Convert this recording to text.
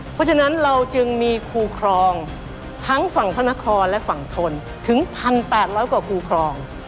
เพราะฉะนั้นเราจึงมีคู่ครองทั้งฝั่งพระนครและฝั่งทนถึง๑๘๐๐กว่าคูครอง